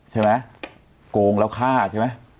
ใช่ไหมโกงแล้วฆ่าใช่ไหม